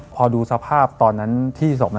พอดูสภาพตอนนั้นที่ศพ